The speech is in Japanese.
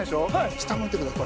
下も見てください。